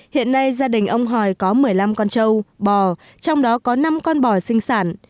hiện nay gia đình ông hòi có một mươi năm con trâu bò trong đó có năm con bò sinh sản